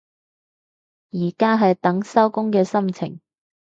而家係等收工嘅心情